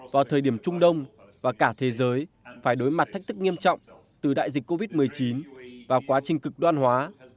vào thời điểm trung đông và cả thế giới phải đối mặt thách thức nghiêm trọng từ đại dịch covid một mươi chín và quá trình cực đoan hóa